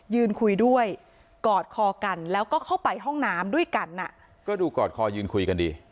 ยืนคุยด้วยกอดคอกันแล้วก็เข้าไปห้องน้ำด้วยกันอ่ะก็ดูกอดคอยืนคุยกันดี